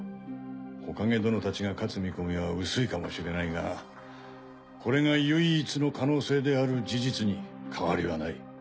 火影殿たちが勝つ見込みは薄いかもしれないがこれが唯一の可能性である事実に変わりはない。